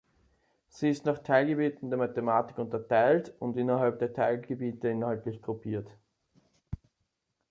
Sie ist nach Teilgebieten der Mathematik unterteilt und innerhalb der Teilgebiete inhaltlich gruppiert.